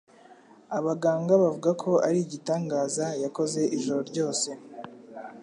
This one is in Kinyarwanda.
Abaganga bavuga ko ari igitangaza yakoze ijoro ryose